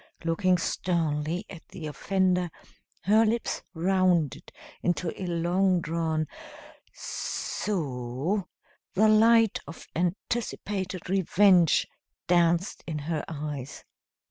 Looking sternly at the offender, her lips rounded into a long drawn "s o," the light of anticipated revenge danced in her eyes.